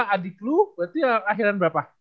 adik lu berarti lahiran berapa